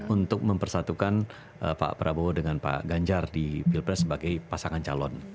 untuk mempersatukan pak prabowo dengan pak ganjar di pilpres sebagai pasangan calon